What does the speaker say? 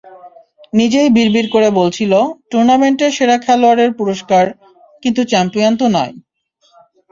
নিজেই বিড়বিড় করে বলছিল, টুর্নামেন্টের সেরা খেলোয়াড়ের পুরস্কার, কিন্তু চ্যাম্পিয়ন তো নয়।